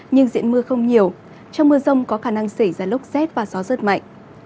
nhưng diễn mưa không nhiều trong mưa rông có khả năng xảy ra lốc rét và gió rất mạnh